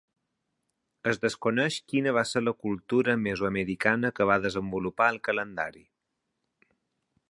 Es desconeix quina va ser la cultura mesoamericana que va desenvolupar el calendari.